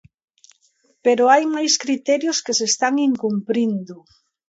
Pero hai máis criterios que se están incumprindo.